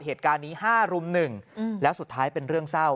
เหตุการณ์นี้๕รุ่ม๑แล้วสุดท้ายเป็นเรื่องเศร้า